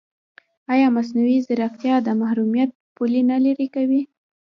ایا مصنوعي ځیرکتیا د محرمیت پولې نه نری کوي؟